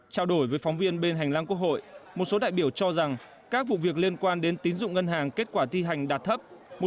trao đổi với phóng viên bên hành lang quốc hội một số đại biểu cho rằng các vụ việc liên quan đến tín dụng ngân hàng kết quả thi hành đạt thấp